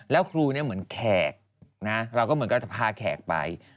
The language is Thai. แล้วครูเหมือนแขกเราก็เหมือนก็จะพาแขกไป